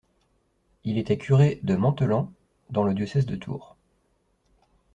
Il était curé de Manthelan dans le diocèse de Tours.